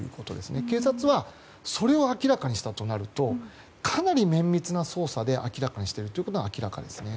警察は、それを明らかにしたとなるとかなり綿密な捜査で明らかにしているということが明らかですね。